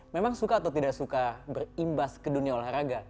memang suka atau tidak suka berimbas ke dunia olahraga